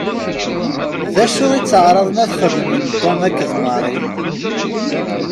D acu i tteɛṛaḍen ad xedmen Tom akked Mary?